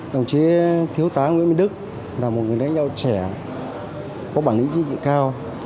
đồng chí thiếu tá nguyễn minh đức là một người lãnh đạo trẻ có bản lĩnh chính trị cao